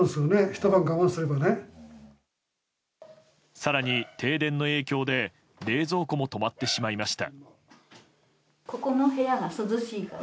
更に、停電の影響で冷蔵庫も止まってしまいました。